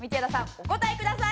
お答えください。